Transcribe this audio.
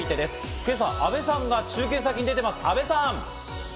今朝は阿部さんが中継先に出ています、阿部さん。